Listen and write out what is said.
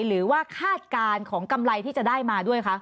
คาดการณ์ของกำไรที่จะได้มาด้วยคะ